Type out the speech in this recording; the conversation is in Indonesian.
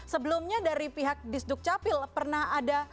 sebelumnya dari pihak disduk capil pernah ada